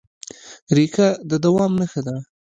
ریښه د دوام نښه ده.